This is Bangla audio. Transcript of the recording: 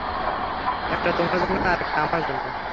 একটা তোমার জন্য আর একটা আমার জন্য।